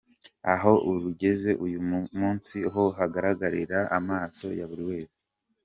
Aho rugeze uyu munsi ho hagaragarira amaso ya buri wese.